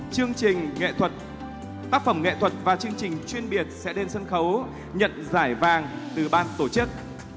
chương trình nghệ thuật tác phẩm nghệ thuật và chương trình chuyên biệt sẽ lên sân khấu nhận giải vàng từ ban tổ chức